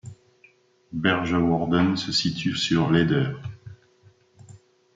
Bergewöhrden se situe sur l'Eider.